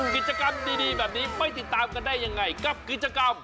กิจกรรมดีแบบนี้ไปติดตามกันได้ยังไงกับกิจกรรม